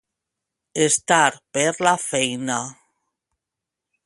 Estar per la feina.